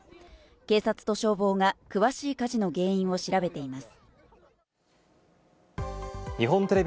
警察と消防が詳しい火事の原因を調べています。